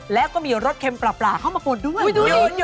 แล้วก็มีรสเค็มปลาเข้ามากดด้วย